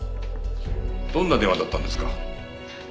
どんな電話だったんですか？